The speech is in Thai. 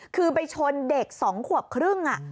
คือไปชนเด็ก๒ขวบครึ่ง